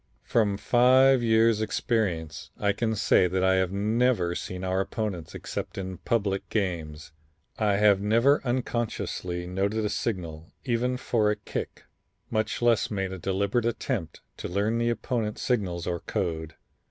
From five years' experience, I can say that I have never seen our opponents except in public games. I have never unconsciously noted a signal even for a kick, much less made a deliberate attempt to learn the opponents' signals or code.